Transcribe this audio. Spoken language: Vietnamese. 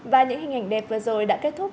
và những hình ảnh đẹp vừa rồi đã kết thúc